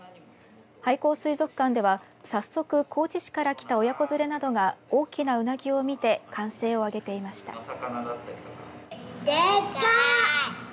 廃校水族館では早速、高知市から来た親子連れなどが大きなウナギを見て歓声を上げていました。